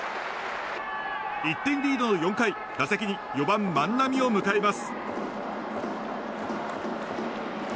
１点リードの４回打席に４番、万波を迎えます。